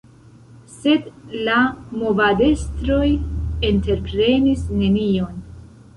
Sed la movadestroj entreprenis nenion.